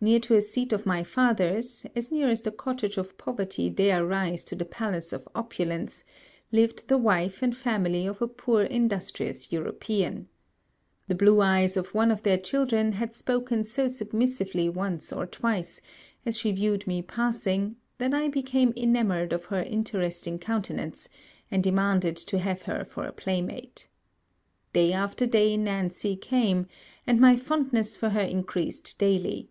Near to a seat of my father's, as near as the cottage of poverty dare rise to the palace of opulence, lived the wife and family of a poor industrious European. The blue eyes of one of their children had spoken so submissively once or twice, as she viewed me passing, that I became enamoured of her interesting countenance, and demanded to have her for a playmate. Day after day Nancy came, and my fondness for her increased daily.